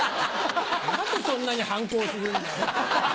なぜそんなに反抗するんだよ。